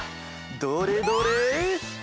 どれどれ？